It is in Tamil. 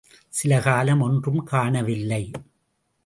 சில காலம் ஒன்றும் காணவில்லை.